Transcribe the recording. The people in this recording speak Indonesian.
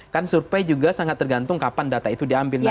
kan survei juga sangat tergantung kapan data itu diambil